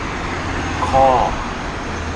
ข้อ